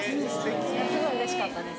すごいうれしかったです。